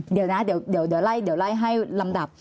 เดี๋ยวนะเดี๋ยวไล่ให้ลำดับ